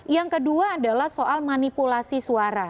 yang kedua adalah soal manipulasi suara